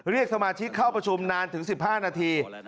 เรียกสมาชิกเข้าประชุมนานถึง๑๕นาที